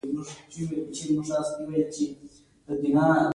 دوی خپله ناکامي پر بد چانسۍ تعبيروي.